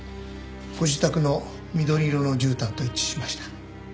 ご自宅の緑色のじゅうたんと一致しました。